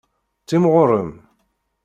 Timɣurem.